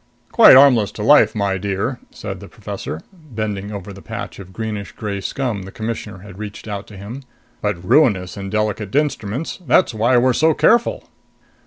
"Quite harmless to life, my dear," said the professor, bending over the patch of greenish gray scum the Commissioner had reached out to him. "But ruinous in delicate instruments! That's why we're so careful."